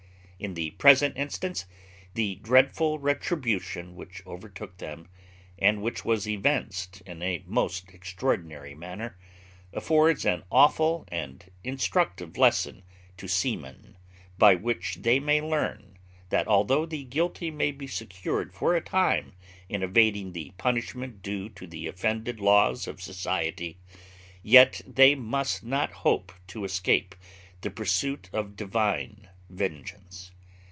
In the present instance, the dreadful retribution which overtook them, and which was evinced in a most extraordinary manner, affords an awful and instructive lesson to seamen, by which they may learn, that although the guilty may be secured for a time in evading the punishment due to the offended laws of society, yet they must not hope to escape the pursuit of Divine vengeance.